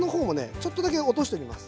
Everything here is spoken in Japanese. ちょっとだけ落としときます。